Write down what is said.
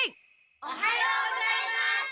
おはようございます！